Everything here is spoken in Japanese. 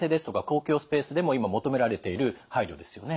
公共スペースでも今求められている配慮ですよね。